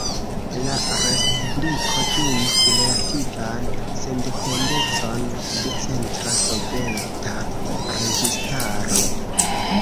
La respubliko ĝuis relativan sendependecon de centra Soveta registaro.